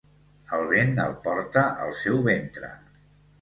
El vent el porta al seu ventre.